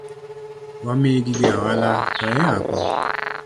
Wamiyi gige ohala to iyako?